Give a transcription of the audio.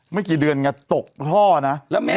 เมื่อกีวร์เดือนตกท่อนะ